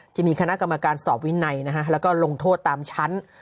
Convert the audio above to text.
จะมีคณะกรรมการสอบวินัยนะฮะแล้วก็ลงโทษตามชั้น